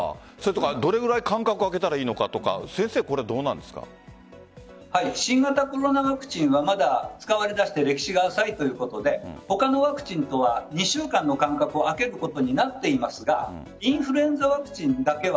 どれくらいの間隔を空けたらいいのかとか新型コロナワクチンはまだ使われだして歴史が浅いということで他のワクチンとは２週間の間隔を空けることになっていますがインフルエンザワクチンだけは